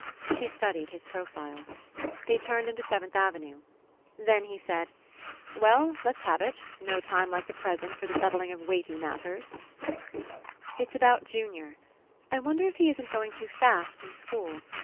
She studied his profile. They turned into Seventh Avenue. Then he said: "Well, let's have it. No time like the present for the settling of weighty matters." 103 PASSING *'It's about Junior. I wonder if he isn't going too fast in school?